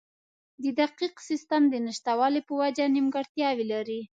د دقیق سیستم د نشتوالي په وجه نیمګړتیاوې لري.